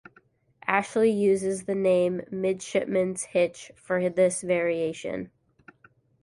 Ashley uses the name midshipman's hitch for this variation.